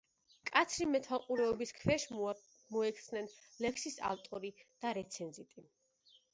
მკაცრი მეთვალყურეობის ქვეშ მოექცნენ ლექსის ავტორი და რეცენზენტი.